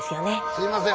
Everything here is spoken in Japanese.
すいません